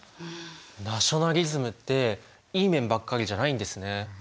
ナショナリズムっていい面ばっかりじゃないんですね。